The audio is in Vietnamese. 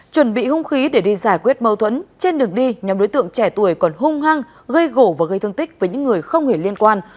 chuẩn bị hung khí để đi giải quyết mâu thuẫn trên đường đi nhóm đối tượng trẻ tuổi còn hung hăng gây gổ và gây thương tích với những người không hề liên quan